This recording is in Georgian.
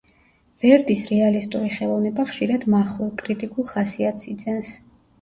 ვერდის რეალისტური ხელოვნება ხშირად მახვილ, კრიტიკულ ხასიათს იძენს.